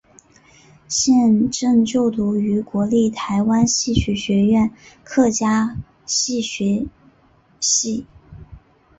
现正就读于国立台湾戏曲学院客家戏学系。